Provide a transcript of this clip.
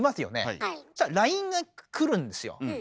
そしたらＬＩＮＥが来るんですよ。